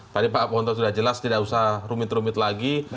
tadi pak ponto sudah jelas tidak usah rumit rumit lagi